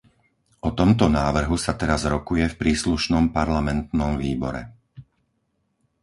O tomto návrhu sa teraz rokuje v príslušnom parlamentnom výbore.